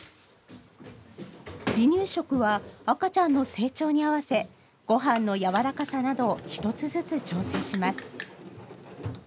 離乳食は赤ちゃんの成長に合わせごはんのやわらかさなど１つずつ調整します。